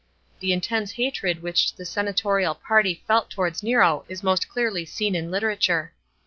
The intense hatred which the senatorial party felt towards Nero is most clearly seen in literature.